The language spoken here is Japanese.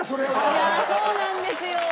いやぁそうなんですよ。